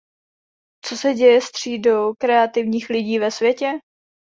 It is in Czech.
Co se děje s třídou kreativních lidí ve světě?